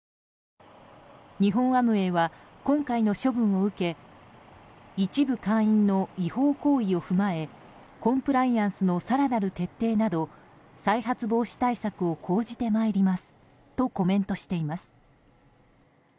日本アムウェイは今回の処分を受け一部会員の違法行為を踏まえコンプライアンスの更なる徹底など再発防止対策を講じてまいりますとコメントしています。